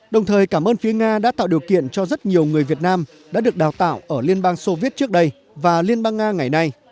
đồng thời cảm ơn phía nga đã tạo điều kiện cho rất nhiều người việt nam đã được đào tạo ở liên bang soviet trước đây và liên bang nga ngày nay